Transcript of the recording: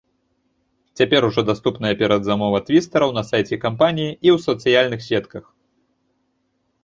Цяпер ужо даступная перадзамова твістараў на сайце кампаніі і ў сацыяльных сетках.